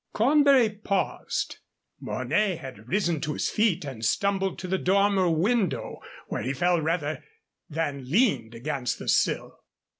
Cornbury paused. Mornay had arisen to his feet and stumbled to the dormer window, where he fell rather than leaned against the sill.